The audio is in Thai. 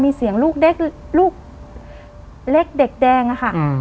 มีเสียงลูกเด็กลูกเล็กเด็กแดงอะค่ะ